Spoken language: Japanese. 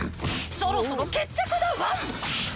そろそろ決着だワン！」